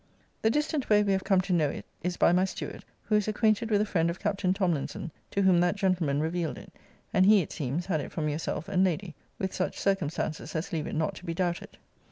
The distant way we have come to know it is by my steward; who is acquainted with a friend of Captain Tomlinson, to whom that gentleman revealed it: and he, it seems, had it from yourself and lady, with such circumstances as leave it not to be doubted.